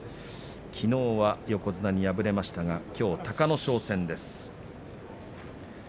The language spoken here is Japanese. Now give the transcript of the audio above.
きのうは横綱に敗れましたが、きょうは隆の勝戦です。